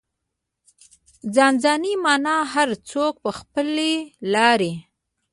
ځان ځاني مانا هر څوک په خپلې لارې.